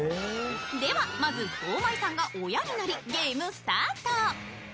では、まず堂前さんが親になりゲームスタート。